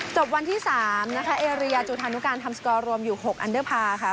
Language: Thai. จบวันที่๓นะคะเอเรียจุธานุการทำสกอร์รวมอยู่๖อันเดอร์พาร์ค่ะ